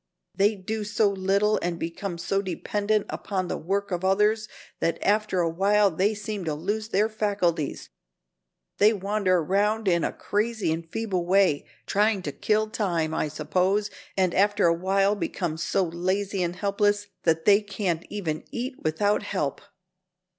They do so little and become so dependent upon the work of others that after a while they seem to lose their faculties. They wander around in a crazy and feeble way, trying to kill time, I suppose, and after a while become so lazy and helpless that they can't even eat without help."